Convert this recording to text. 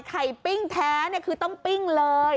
ไข่ปิ้งแท้คือต้มปิ้งเลย